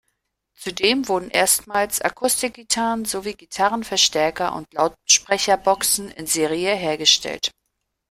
Zudem wurden erstmals Akustikgitarren sowie Gitarrenverstärker und Lautsprecherboxen in Serie hergestellt.